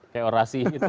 kayak orasi gitu